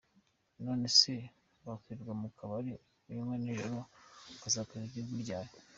None se wakwirirwa mu kabari amanywa n’ijoro ukazakorera igihugu ryari?”.